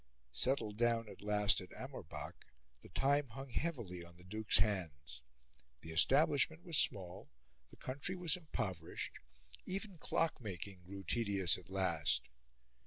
Settled down at last at Amorbach, the time hung heavily on the Duke's hands. The establishment was small, the country was impoverished; even clock making grew tedious at last.